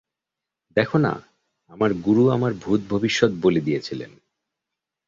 দেখ না, আমার গুরু আমার ভূত-ভবিষ্যৎ বলে দিয়েছিলেন।